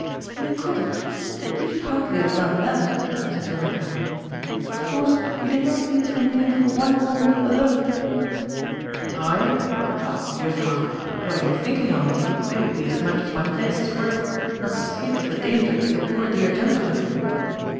"In a cottage? You should hardly have done that," said Johanna. " Of course you did not leave Mynheer for one moment alone ?" "I — oh, Juffrouw! — what are you thinking of? It would be as much as my place is worth, not to speak of the danger to the poor dear gentleman."